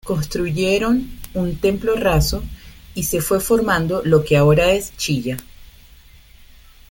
Construyeron un templo raso y se fue formando lo que ahora es Chilla.